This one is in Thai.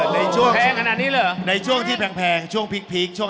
ในช่วงแพงช่วงพีคช่วงหนังได้